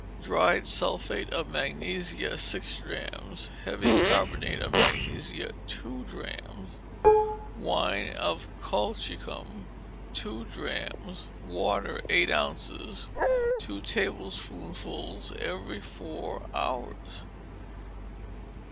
Dried sulphate of magnesia, six drachms; heavy carbonate of magnesia, two drachms; wine of colchicum, two drachms; water, eight ounces: take two tablespoonfuls every four hours.